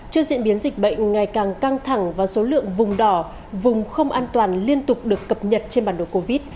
trước diễn biến dịch bệnh ngày càng căng thẳng và số lượng vùng đỏ vùng không an toàn liên tục được cập nhật trên bản đồ covid